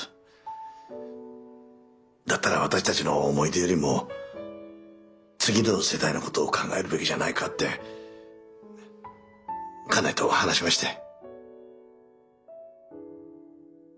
だったら私たちの思い出よりも次の世代のことを考えるべきじゃないかって家内と話しまして。